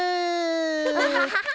ハハハハ。